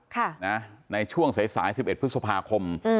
ค่ะนะในช่วงสายสายสิบเอ็ดพฤษภาคมอืม